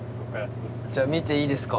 じゃあ見ていいですか？